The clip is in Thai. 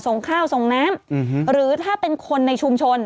ส่งข้าวส่งน้ำหรือถ้าเป็นคนในชุมชน